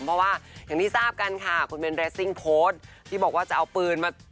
เพราะว่าอย่างที่ทราบกันค่ะคุณเบนเรสซิ่งโพสต์ที่บอกว่าจะเอาปืนมา